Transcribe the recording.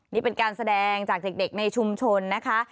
นี่เป็นการแสดงจากเด็กในชุมชนนะคะ